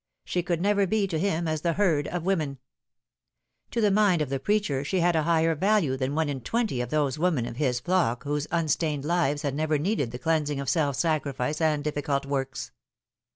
She could never be to him as the herd of women. To the mind of the preacher she had a higher value than one in twenty of those women of his flock whose unstained lives had never needed the cleansing of self sacrifice and difficult works.